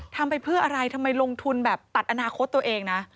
ทำไปเพื่ออะไรทำไมลงทุนแบบตัดอนาคตตัวเองนะ